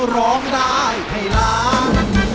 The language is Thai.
ร้องได้ให้ล้าน